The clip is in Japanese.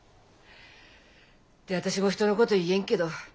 って私も人のこと言えんけど。